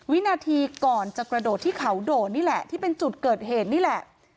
วินาทีก่อนจะกระโดดที่เขาโดดนี่แหละที่เป็นจุดเกิดเหตุนี่แหละ